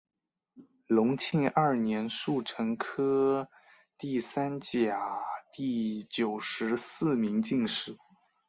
隆庆二年戊辰科第三甲第九十四名进士。